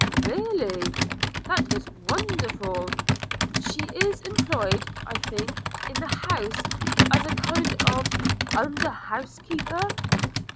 'Really! that is wonderful. – She is employed, I think, in the house as a kind of under housekeeper.'